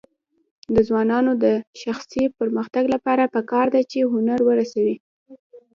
د ځوانانو د شخصي پرمختګ لپاره پکار ده چې هنر رسوي.